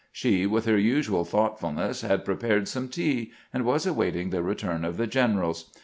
She, with her usual thought fulness, had prepared some tea, and was awaiting the return of the generals.